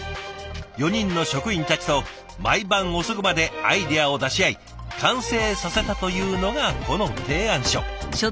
４人の職員たちと毎晩遅くまでアイデアを出し合い完成させたというのがこの提案書。